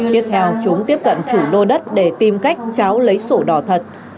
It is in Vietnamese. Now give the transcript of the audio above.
tiếp theo chúng tiếp cận chủ lô đất để tìm cách cháo lấy sổ đỏ thật